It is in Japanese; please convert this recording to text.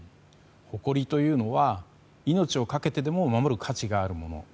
誇りというのは命をかけてでも守る価値があるもの。